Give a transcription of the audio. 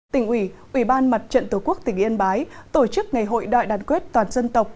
tỉnh ủy ủy ban mặt trận tổ quốc tỉnh yên bái tổ chức ngày hội đại đoàn kết toàn dân tộc